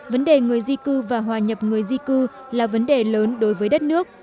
vấn đề người di cư và hòa nhập người di cư là vấn đề lớn đối với đất nước